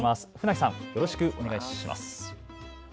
船木さん、よろしくお願いします。